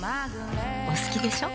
お好きでしょ。